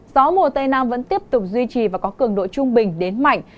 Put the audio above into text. gió mùa tây nam vẫn tiếp tục duy trì và có cường độ trung bình đến mạnh